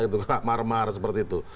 itu gak mar mar seperti itu